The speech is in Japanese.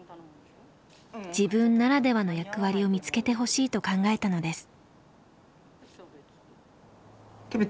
自分ならではの役割を見つけてほしいと考えたのです。